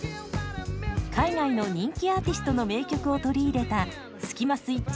海外の人気アーティストの名曲を取り入れたスキマスイッチ